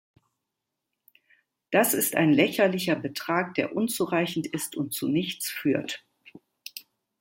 Das ist ein lächerlicher Betrag, der unzureichend ist und zu nichts führt.